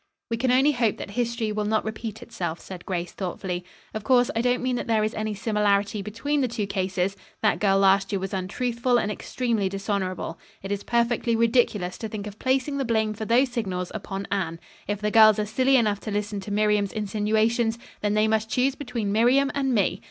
"We can only hope that history will not repeat itself," said Grace thoughtfully. "Of course, I don't mean that there is any similarity between the two cases. That girl last year was untruthful and extremely dishonorable. It is perfectly ridiculous to think of placing the blame for those signals upon Anne. If the girls are silly enough to listen to Miriam's insinuations, then they must choose between Miriam and me.